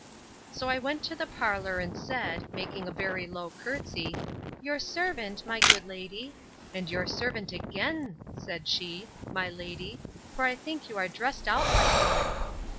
So I went to the parlour, and said, making a very low courtesy, Your servant, my good lady! And your servant again, said she, my lady, for I think you are dressed out like one.